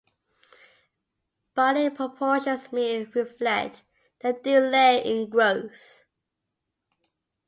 Body proportions may reflect the delay in growth.